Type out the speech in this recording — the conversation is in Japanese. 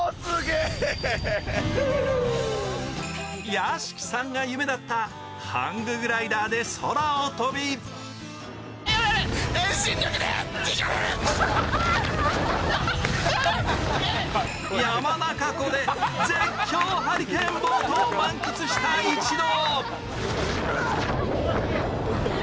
屋敷さんが夢だったハンググライダーで空を飛び山中湖で絶叫ハリケーンボートを満喫した一同。